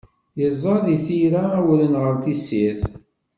Iẓẓad, itterra awren ɣer tessirt.